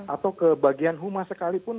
atau ke bagian humas sekalipun